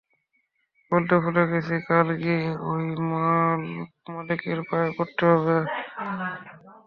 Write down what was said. বলতে ভুলে গেছি, কাল গিয়ে ঐ মল মালিকের পায়ে পড়তে হবে।